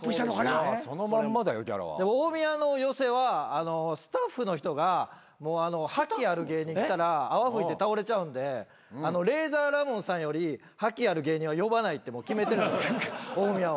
大宮の寄席はスタッフの人が覇気ある芸人来たら泡吹いて倒れちゃうんでレイザーラモンさんより覇気ある芸人は呼ばないってもう決めてるんです大宮は。